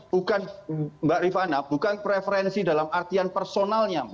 bukan mbak rifana bukan preferensi dalam artian personalnya